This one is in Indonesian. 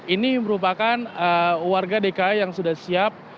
ini merupakan warga dki yang sudah siap